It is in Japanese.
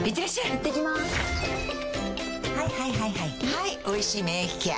はい「おいしい免疫ケア」